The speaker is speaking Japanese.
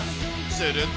すると。